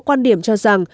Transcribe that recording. quan điểm cho rằng